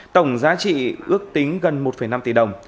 tổng giá trị ước tính gần một năm tỷ đồng